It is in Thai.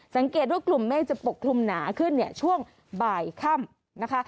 สังเกตว่ากลุ่มเมฆจะปกคลุมหนาขึ้นเนี่ยช่วงบ่ายค่ำนะคะ